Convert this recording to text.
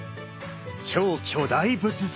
超巨大仏像。